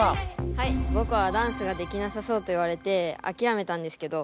はいぼくはダンスができなさそうといわれてあきらめたんですけど